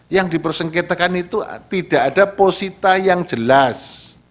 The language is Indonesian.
yang dipersengketakan itu tidak ada posita yang jelas